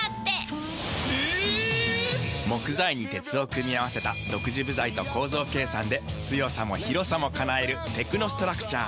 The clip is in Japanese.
木材に鉄を組み合わせた独自部材と構造計算で強さも広さも叶えるテクノストラクチャー。